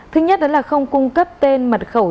thứ nhất đó là không cung cấp tên mật khẩu